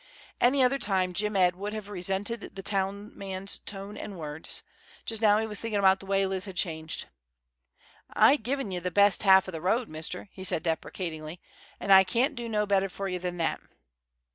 At any other time Jim Ed would have resented the town man's tone and words; just now he was thinking about the way Liz had changed. "I've gi'n ye the best half o' the road, mister," he said, deprecatingly, "'n' I can't do no better fer ye than that."